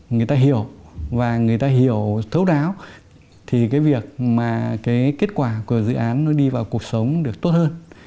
người ta hiểu và người ta hiểu thấu đáo thì cái việc mà cái kết quả của dự án nó đi vào cuộc sống được tốt hơn